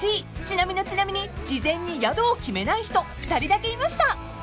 ［ちなみのちなみに事前に宿を決めない人２人だけいました］